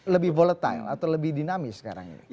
lebih volatile atau lebih dinamis sekarang ini